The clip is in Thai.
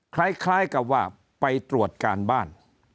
คล้ายกับว่าไปตรวจการบ้าน